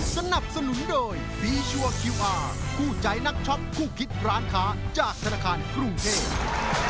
สนับสนุนโดยฟีชัวร์คิวอาร์คู่ใจนักช็อปคู่คิดร้านค้าจากธนาคารกรุงเทพ